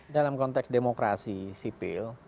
dalam konteks demokrasi sipil